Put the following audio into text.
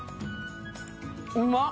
うまっ。